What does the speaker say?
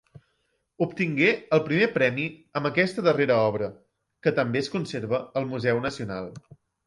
Obtingué el primer premi amb aquesta darrera obra, que també es conserva al Museu Nacional.